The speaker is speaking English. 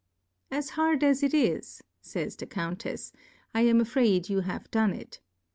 As hard as it is,/./j J the Count efs^ I am afraid you have done it.